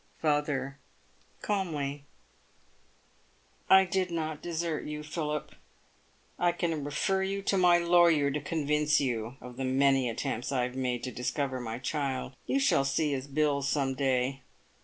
Father (calmly). I did not desert you, Philip. I can refer you to my lawyer to convince you of the many attempts I have made to dis cover my child. You shall see his bills some day.